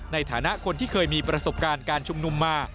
ในฐานะคนที่เคยมีประสบการณ์การชุมนุมมา